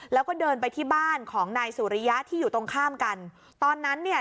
แล้วก็เดินไปที่บ้านของนายสุริยะที่อยู่ตรงข้ามกันตอนนั้นเนี่ย